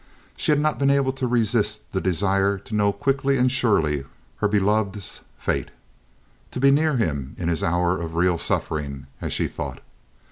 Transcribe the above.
She had not been able to resist the desire to know quickly and surely her beloved's fate—to be near him in his hour of real suffering, as she thought.